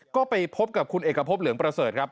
ก็ไปพบกับคุณเอกพบเหลืองประเสริฐครับ